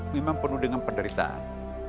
memang penuh dengan penderitaan